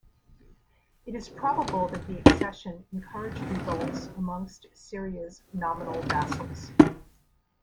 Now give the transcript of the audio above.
It is probable that the accession encouraged revolts amongst Assyria's nominal vassals.